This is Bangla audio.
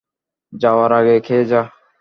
যাওয়ার আগে খেয়ে যা!